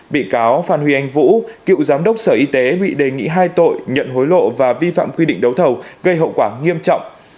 bị cáo phan huy anh vũ cựu giám đốc sở y tế bị đề nghị hai tội nhận hối lộ và vi phạm quy định đấu thầu gây hậu quả nghiêm trọng